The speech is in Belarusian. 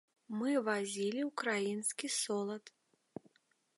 Мы вазілі ўкраінскі солад.